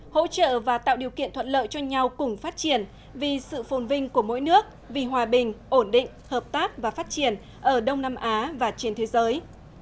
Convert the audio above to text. hỗ trợ và tạo điều kiện thuận lợi cho nhau cùng phát triển vì sự phồn vinh của mỗi nước vì hòa bình ổn định hợp tác và phát triển ở đông nam á và trên thế giới